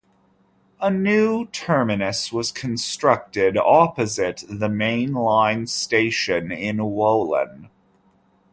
A new terminus was constructed opposite the main line station in Wohlen.